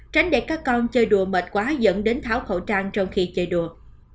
tránh để các con chơi đùa mệt quá dẫn đến tháo khẩu trang trong khi chơi đùa